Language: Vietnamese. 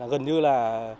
gần như là